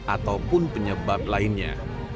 ataupun penyebab lainnya